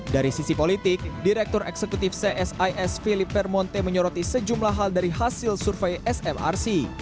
dari sisi politik direktur eksekutif csis philip permonte menyoroti sejumlah hal dari hasil survei smrc